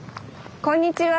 あこんにちは。